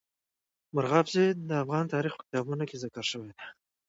مورغاب سیند د افغان تاریخ په کتابونو کې ذکر شوی دی.